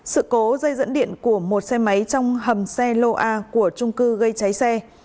sự cố dây dẫn điện của một xe máy trong hầm xe lô a của trung cư gây cháy xe